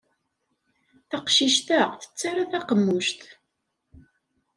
Taqcict-a tettarra taqemmuct.